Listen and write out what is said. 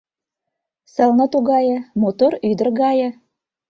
Сылне тугае, мотор ӱдыр гае.